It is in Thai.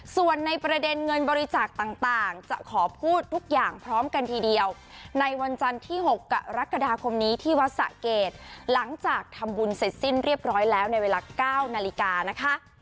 ส่วนในประเด็นเงินบริจาคต่างจะขอพูดทุกอย่างพร้อมกันทีเดียวในวันจันทร์ที่๖กรกฎาคมนี้ที่วัดสะเกดหลังจากทำบุญเสร็จสิ้นเรียบร้อยแล้วในเวลา๙นาฬิกานะคะ